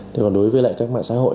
thế còn đối với lại các mạng xã hội